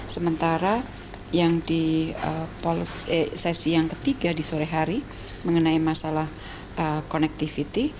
sementara yang di sesi yang ketiga di sore hari mengenai masalah connectivity